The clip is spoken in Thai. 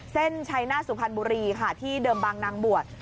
เส้นชัยหน้าสุพรรณบุรีค่ะที่เดิมบางนางบวช